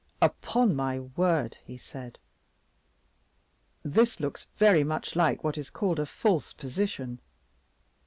"Upon my word," he said, "this looks very much like what is called a false position.